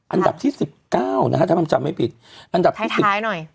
อันดับที่สิบเก้านะฮะถ้ามันจำไม่ผิดอันดับที่ปิดท้ายหน่อย